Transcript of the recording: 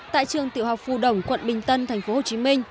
tại trường tiểu học phù đồng quận bình tân tp hcm